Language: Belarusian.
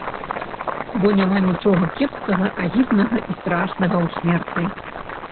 Бо няма нічога кепскага, агіднага і страшнага ў смерці.